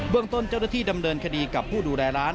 เรื่องต้นเจ้าหน้าที่ดำเนินคดีกับผู้ดูแลร้าน